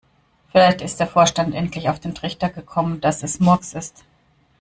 Vielleicht ist der Vorstand endlich auf den Trichter gekommen, dass es Murks ist.